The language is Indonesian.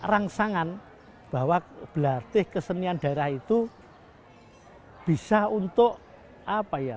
rangsangan bahwa belatih kesenian daerah itu bisa untuk apa ya